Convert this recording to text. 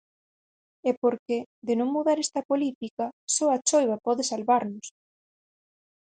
E porque, de non mudar esta política, só a choiva pode salvarnos...!